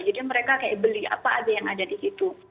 jadi mereka kayak beli apa aja yang ada di situ